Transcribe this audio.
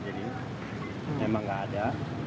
jadi memang nggak ada